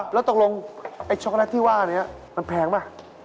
แล้วตกลงไอ้ช็อกโกแลตที่ว่านี้มันแพงป่ะ